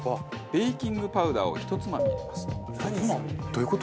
ベーキングパウダーをひとつまみ入れますと。